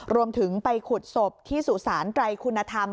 รวมถึงไปขุดศพที่สุสานไตรคุณธรรม